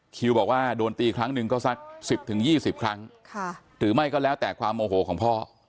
คิวบอกว่าโดนตีครั้งหนึ่งก็สักสิบถึงยี่สิบครั้งค่ะถือไม่ก็แล้วแต่ความโอโหของพ่อ